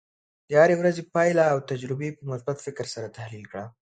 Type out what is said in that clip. د هرې ورځې پایله او تجربې په مثبت فکر سره تحلیل کړه.